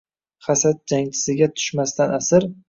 „Hasad jangchisiga tushmasdan asir